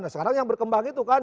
nah sekarang yang berkembang itu kan